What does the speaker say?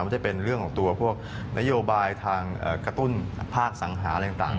จะเป็นเรื่องของตัวพวกนโยบายทางกระตุ้นภาคสังหาอะไรต่าง